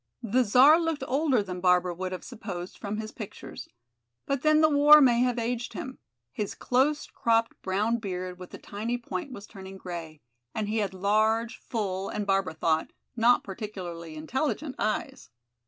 The Czar looked older than Barbara would have supposed from his pictures. But then the war may have aged him. His close cropped brown beard with the tiny point was turning gray. And he had large, full and, Barbara thought, not particularly intelligent eyes.